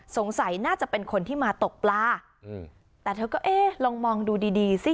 สงสัยน่าจะเป็นคนที่มาตกปลาอืมแต่เธอก็เอ๊ะลองมองดูดีดีสิ